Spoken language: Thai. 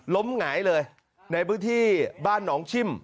หงายเลยในพื้นที่บ้านหนองชิม